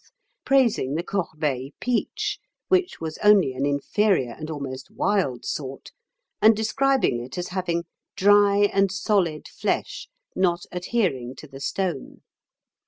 praising the Corbeil peach, which was only an inferior and almost wild sort, and describing it as having "dry and solid flesh, not adhering to the stone."